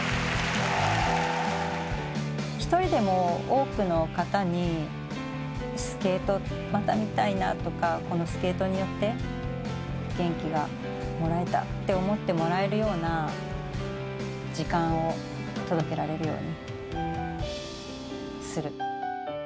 一人でも多くの方に、スケートをまた見たいなとか、このスケートによって元気がもらえたって思ってもらえるような、時間を届けられるようにする。